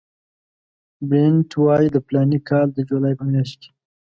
بلنټ وایي د فلاني کال د جولای په میاشت کې.